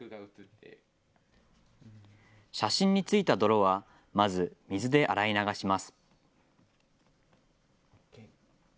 写真についた泥はまず水で洗い流します。